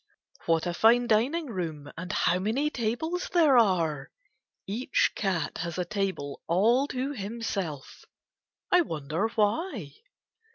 What a fine dining room, and how many tables there are !», Each eat has a table all to himself. I wonder why.